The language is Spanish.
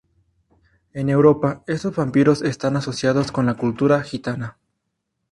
En Europa, estos vampiros están asociados con la cultura gitana.